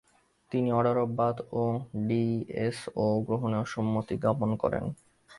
তিনি order of Bath এবং DSO গ্রহণে অসম্মতি জ্ঞাপন করেন।